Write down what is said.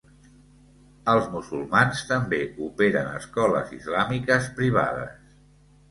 Els musulmans també operen escoles islàmiques privades.